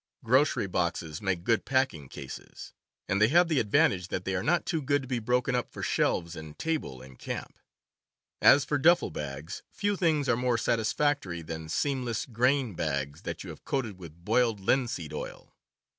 Grocery boxes make good packing cases, and they have the advantage that they are not too good to be broken up for shelves and table in camp. As for duffel bags, few things are more satisfactory than seamless grain bags that you have coated with boiled linseed oil.